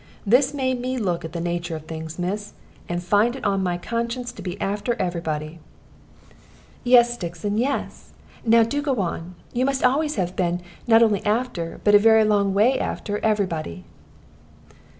This made me look at the nature of things, miss, and find it on my conscience to be after every body." "Yes, Stixon, yes! Now do go on. You must always have been, not only after, but a very long way after, every body."